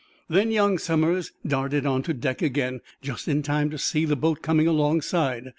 Then young Somers darted onto deck again, just in time to see the boat coming alongside.